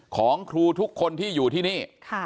ของครูทุกคนที่อยู่ที่นี่